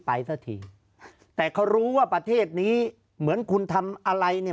สักทีแต่เขารู้ว่าประเทศนี้เหมือนคุณทำอะไรเนี่ย